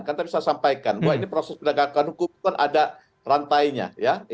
kan tadi saya sampaikan bahwa ini proses penegakan hukum itu kan ada rantainya ya